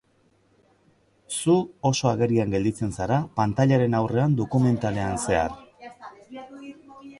Zu oso agerian gelditzen zara pantailaren aurrean dokumentalean zehar.